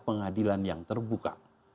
pengadilan yang terbuka